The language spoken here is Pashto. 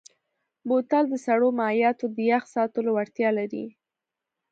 بوتل د سړو مایعاتو د یخ ساتلو وړتیا لري.